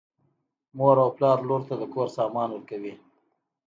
مور او پلار لور ته د کور سامان ورکوي.